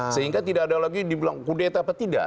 sehingga tidak ada lagi dibilang kudeta apa tidak